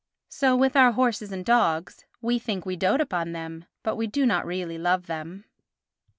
So with our horses and dogs: we think we dote upon them, but we do not really love them.